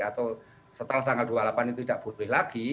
atau setelah tanggal dua puluh delapan itu tidak boleh lagi